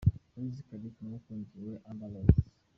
Wiz Khalifa n'umukunzi we Amber Rose.